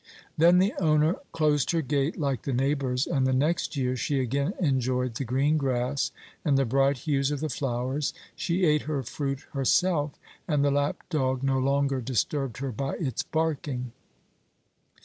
Then the owner closed her gate like the neighbours, and the next year she again enjoyed the green grass and the bright hues of the flowers. She ate her fruit herself, and the lap dog no longer disturbed her by its barking."